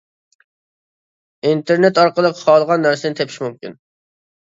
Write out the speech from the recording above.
ئىنتېرنېت ئارقىلىق خالىغان نەرسىنى تېپىش مۇمكىن.